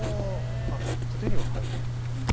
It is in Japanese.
あ。じゃあ手には入ると。